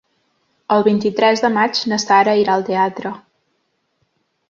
El vint-i-tres de maig na Sara irà al teatre.